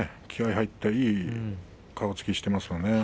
気合いが入ったいい顔つきしていますよね。